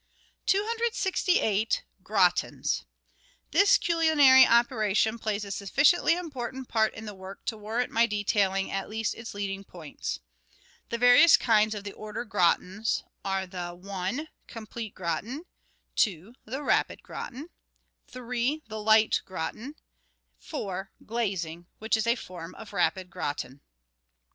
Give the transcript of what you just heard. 268— GRATINS This culinary operation plays a sufficiently important part in the work to warrant my detailing at least its leading points. The various kinds of the order " Gratins " are (i) the Com plete Gratin; (2) the Rapid Gratin; (3) the Light Gratin; (4) Glazing, which is a form of Rapid Gratin.